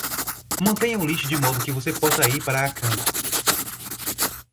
Mantenha o lixo de modo que você possa ir para a cama.